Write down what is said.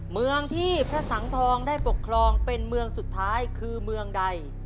เมืองที่พระสังทองได้ปกครองเป็นเมืองสุดท้ายคือเมืองใด